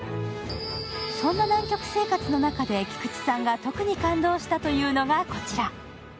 そんな南極生活の中で菊池さんが特に感動したというのがこちら。